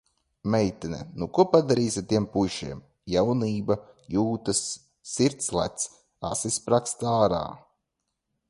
Meitene, nu ko padarīsi tiem puišiem. Jaunība, jūtas, sirds lec, asis sprāgst ārā.